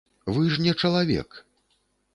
Вы ж не чалавек!